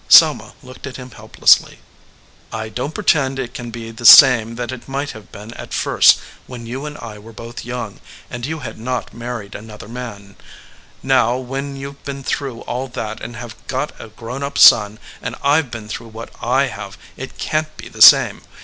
Selma looked at him helplessly. "I don t pretend it can be the same that it might have been at first, when you and I were both young, and you had not married another man, now, when you ve been through all that and have got a grown up son, and I ve been through what I have. It can t be the same.